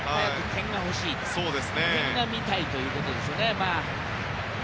点が見たいということでしょうね。